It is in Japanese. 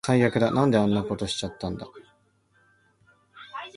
最悪だ。なんであんなことしちゃったんだ